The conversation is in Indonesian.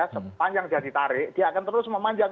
sepanjang dia ditarik dia akan terus memanjat